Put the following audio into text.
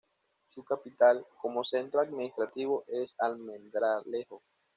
Su capital, como centro administrativo, es Almendralejo.